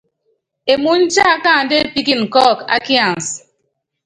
Emúny tiakanda epíkinin kɔ́ɔk a kiansɛ.